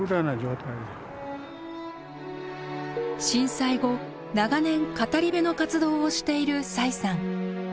震災後長年語り部の活動をしている崔さん。